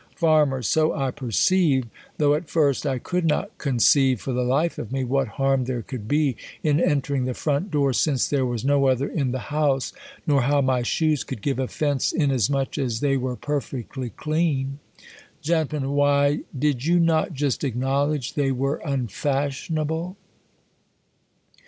Farm, So I perceive ; though, at first, I could not conceive, for the life of me, what harm there could be in entering the front door, since there was no other in the house ; nor how my shoes could give offence, in asmuch as they were perfectly clean. Gent. Why, did you not just acknowledge they were unfashionable